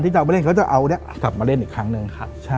ที่จะเอาเลยเค้าจะเอาสะชั่นปีนมาเล่นอีกครั้งหนึ่ง